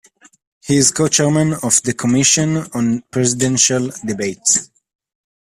He is co-chairman of the Commission on Presidential Debates.